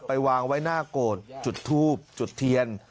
วางไว้หน้าโกรธจุดทูบจุดเทียน